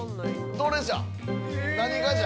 どれじゃ。